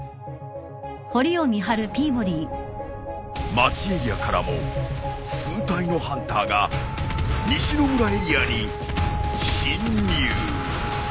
町エリアからも数体のハンターが西の村エリアに侵入。